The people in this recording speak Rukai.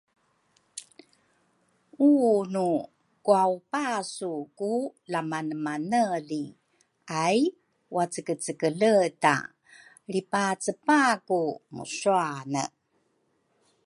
unu kuaupasu ku lamanemaneli, ai wacekecekeleta. Lripacepaku musuane.